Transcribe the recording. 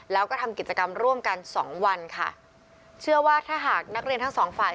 แล้วก็ทำกิจกรรมร่วมกันสองวันค่ะเชื่อว่าถ้าหากนักเรียนทั้งสองฝ่าย